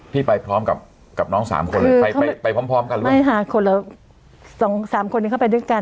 พี่ไปพร้อมกับน้อง๓คนไปพร้อมกันหรือเปล่าไม่ค่ะ๓คนนี้เข้าไปด้วยกัน